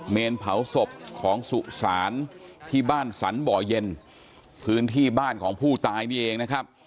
เนรเผาศพของสุสานที่บ้านสรรบ่อเย็นพื้นที่บ้านของผู้ตายนี่เองนะครับ